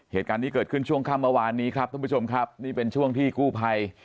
เหตุการณ์นี้เกิดขึ้นช่วงค่ำเมื่อวานนี้ครับท่านผู้ชมครับนี่เป็นช่วงที่กู้ภัย